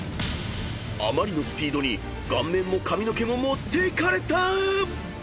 ［あまりのスピードに顔面も髪の毛も持っていかれた！］